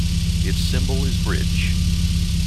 Its symbol is bridge.